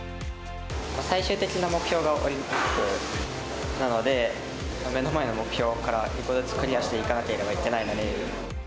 最終的な目標がオリンピックなので、目の前の目標から１個ずつクリアしていかなければいけないので。